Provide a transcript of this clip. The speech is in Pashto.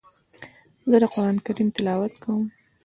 زه د قرآن کريم تلاوت کوم.